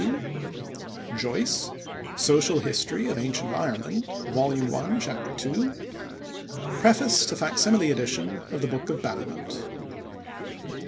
II; Joyce: Social History of Ancient Ireland, vol. I, Chap. 2; Preface to fac simile edition of the Book of Ballymote.